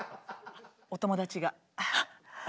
お友達が。